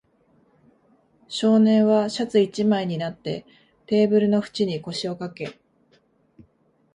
少年はシャツ一枚になって、テーブルの縁に腰をかけ、